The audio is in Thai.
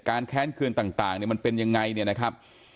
การแค้นเคลื่อนต่างมันเป็นยังไงเนี่ยนะครับ